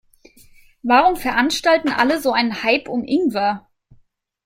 Warum veranstalten alle so einen Hype um Ingwer?